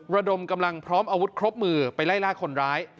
ระดมกำลังพร้อมอาวุธครบมือไปไล่ล่าคนร้าย